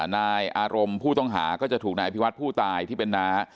นายอารมณ์ผู้ต้องหาก็จะถูกนายพิวัฒน์ผู้ตายที่เป็นน้า